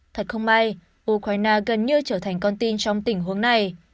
thật không may ukraine gần như trở thành con tin trong tình huống này